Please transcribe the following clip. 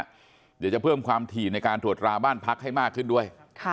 เดี๋ยวจะเพิ่มความถี่ในการตรวจราบ้านพักให้มากขึ้นด้วย